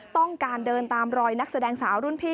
ต้องการเดินตามรอยนักแสดงสาวรุ่นพี่